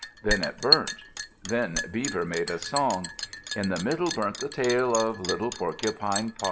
Then it burnt. Then Beaver made a song: "In the middle burnt the tail of little Porcupine, pa!